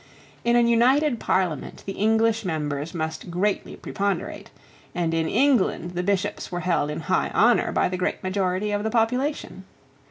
In an united Parliament the English members must greatly preponderate; and in England the bishops were held in high honour by the great majority of the population.